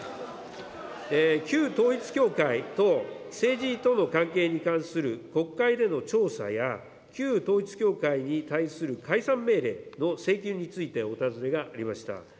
旧統一教会と政治との関係に関する国会での調査や、旧統一教会に対する解散命令の請求についてお尋ねがありました。